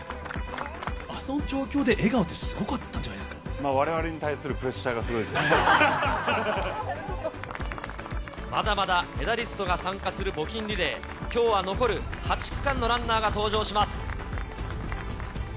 あの状況で笑顔ってすごかっわれわれに対するプレッシャまだまだメダリストが参加する募金リレー、きょうは残る８区間のランナーが登場します。